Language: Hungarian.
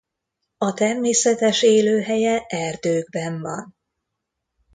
A természetes élőhelye erdőkben van.